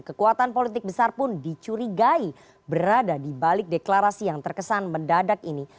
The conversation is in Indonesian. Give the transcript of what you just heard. kekuatan politik besar pun dicurigai berada di balik deklarasi yang terkesan mendadak ini